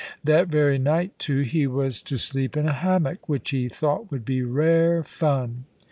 That very night, too, he was to sleep in a hammock, which he thought would be rare fun.